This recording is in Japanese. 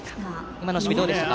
今の守備、どうですか。